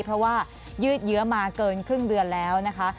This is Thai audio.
เพราะว่ายืดเยื้อมาเกินครึ่งเดือนแล้วนะคะ